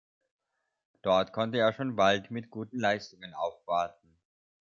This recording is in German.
Dort konnte er schon bald mit guten Leistungen aufwarten.